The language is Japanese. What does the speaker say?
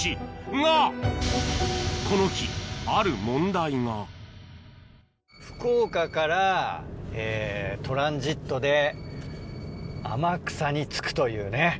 この日福岡からえトランジットで天草に着くというね。